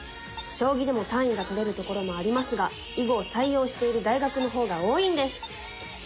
将棋でも単位が取れるところもありますが囲碁を採用している大学の方が多いんです！